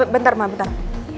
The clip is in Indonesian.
bentar ma bentar